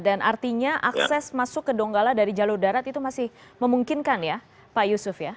dan artinya akses masuk ke donggala dari jalur darat itu masih memungkinkan ya pak yusuf ya